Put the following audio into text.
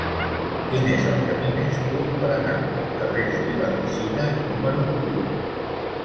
Quin és el camí més curt per anar al carrer de Vilapicina número u?